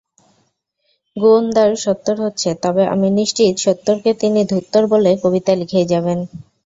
গুওণদার সত্তর হচ্ছে, তবে আমি নিশ্চিত, সত্তরকে তিনি ধুত্তোর বলে কবিতা লিখেই যাবেন।